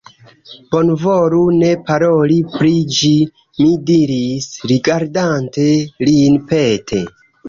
Bonvolu ne paroli pri ĝi, mi diris, rigardante lin pete.